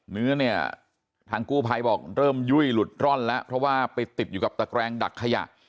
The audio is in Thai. เนื้อเนี่ยทางกู้ภัยบอกเริ่มยุ่ยหลุดร่อนแล้วเพราะว่าไปติดอยู่กับตะแกรงดักขยะ